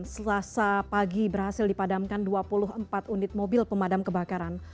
selasa pagi berhasil dipadamkan dua puluh empat unit mobil pemadam kebakaran